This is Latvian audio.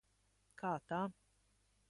Kā tā?